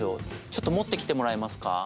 ちょっと持ってきてもらえますか。